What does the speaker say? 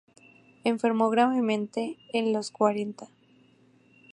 Enfermó gravemente en los cuarenta.